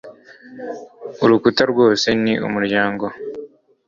Urukuta rwose ni umuryango.